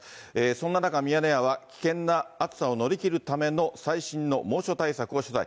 そんな中、ミヤネ屋は、危険な暑さを乗り切るための最新の猛暑対策を取材。